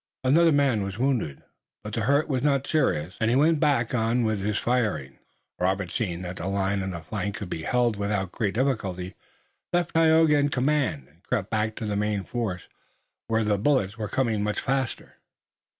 Another man was wounded, but the hurt was not serious and he went on with his firing. Robert, seeing that the line on the flank could be held without great difficulty, left Tayoga in command, and crept back to the main force, where the bullets were coming much faster.